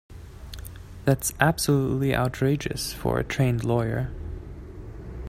That's absolutely outrageous for a trained lawyer.